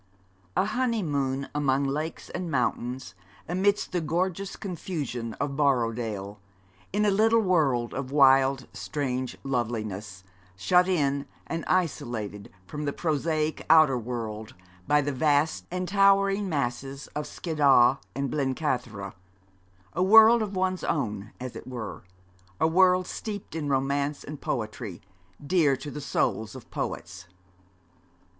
A honeymoon among lakes and mountains, amidst the gorgeous confusion of Borrowdale, in a little world of wild, strange loveliness, shut in and isolated from the prosaic outer world by the vast and towering masses of Skiddaw and Blencathara a world of one's own, as it were, a world steeped in romance and poetry, dear to the souls of poets.